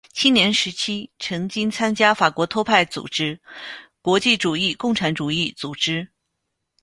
青年时期曾经参加法国托派组织国际主义共产主义组织。